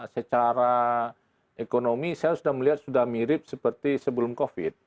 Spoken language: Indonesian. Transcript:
secara ekonomi saya sudah melihat sudah mirip seperti sebelum covid